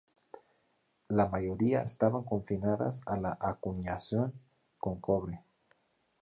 La mayoría estaban confinadas a la acuñación con cobre.